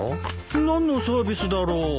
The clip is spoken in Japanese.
何のサービスだろう。